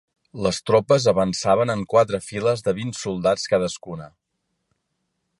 Les tropes avançaven en quatre files de vint soldats cadascuna.